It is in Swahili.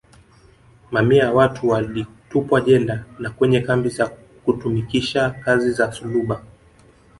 Mamia ya watu walitupwa jela na kwenye kambi za kutumikisha kazi za sulba